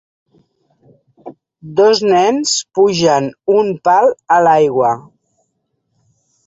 Dos nens pugen un pal a l'aigua.